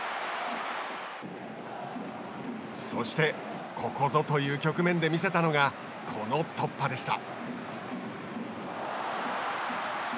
そして、ここぞという局面で見せたのが、この突破でした。